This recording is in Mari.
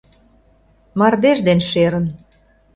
Мардеж ден шерын.